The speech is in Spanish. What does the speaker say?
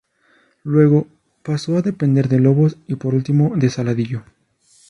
Luego pasó a depender de Lobos y, por último, de Saladillo.